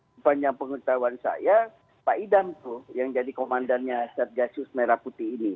sepanjang pengetahuan saya pak idam tuh yang jadi komandannya satgasus merah putih ini